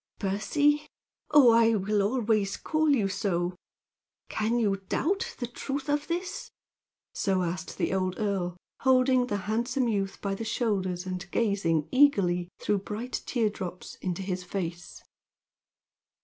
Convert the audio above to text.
"Percy! Oh, I will always call you so! Can you doubt the truth of this?" So asked the old earl, holding the handsome youth by the shoulders and gazing eagerly, through bright tear drops, into his face.